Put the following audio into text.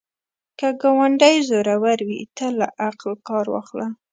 که ګاونډی زورور وي، ته له عقل کار واخله